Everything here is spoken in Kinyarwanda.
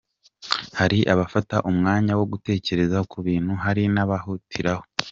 Hari abafata umwanya wo gutekereza ku bintu hari n’abahutiraho.